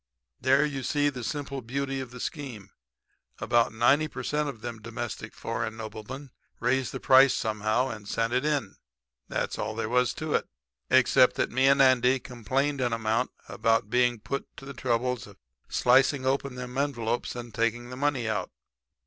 "There you see the simple beauty of the scheme. About 90 per cent. of them domestic foreign noblemen raised the price somehow and sent it in. That was all there was to it. Except that me and Andy complained an amount about being put to the trouble of slicing open them envelopes, and taking the money out.